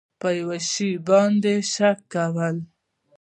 په یو شي باندې شک کول